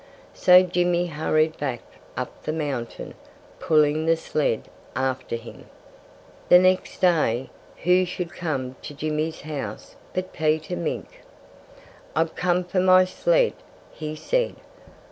So Jimmy hurried back up the mountain, pulling the sled after him. The next day, who should come to Jimmy's house but Peter Mink. "I've come for my sled," he said.